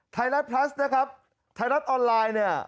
ไทยรัฐพลัสนะครับไทยรัฐออนไลน์เนี่ย